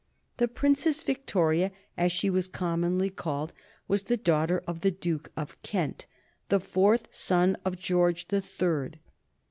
The Princess Victoria, as she was commonly called, was the daughter of the Duke of Kent, the fourth son of George the Third.